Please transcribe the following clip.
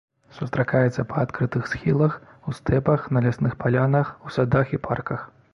Сустракаецца па адкрытых схілах, у стэпах, на лясных палянах, у садах і парках.